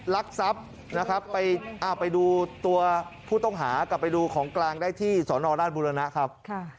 ลักทรัพย์นะครับไปดูตัวผู้ต้องหากลับไปดูของกลางได้ที่สนราชบุรณะครับ